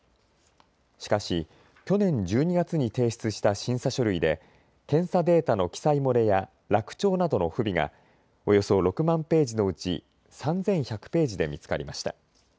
しかし去年１２月に提出した審査書類で検査データの記載漏れや落丁などの不備がおよそ６万ページのうち３１００ページで見つかりました。